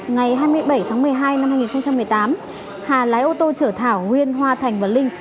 ngày hai mươi bảy tháng một mươi hai năm hai nghìn một mươi tám hà lái ô tô chở thảo nguyên hoa thành và linh